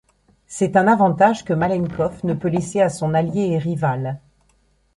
C'est un avantage que Malenkov ne peut laisser à son allié et rival.